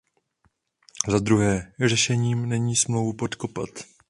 Za druhé, řešením není Smlouvu podkopat.